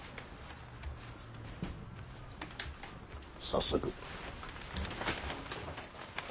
早速。